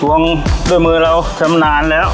ตัวนี้ก็ด้วยมือเราชำนาญแล้ว